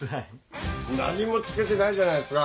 何も付けてないじゃないですか